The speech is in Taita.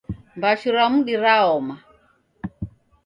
Mbashu ra mudi raoma